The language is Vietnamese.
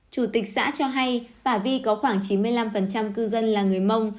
chủ tịch xã cho hay bà vi có khoảng chín mươi năm cư dân là người mông